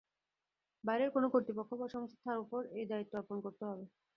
বাইরের কোনো কর্তৃপক্ষ বা সংস্থার ওপর এই দায়িত্ব অর্পণ করতে হবে।